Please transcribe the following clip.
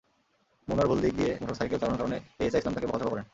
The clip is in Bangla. মনোয়ার ভুল দিক দিয়ে মোটরসাইকেল চালানোর কারণে এএসআই ইসলাম তাঁকে বকাঝকা করেন।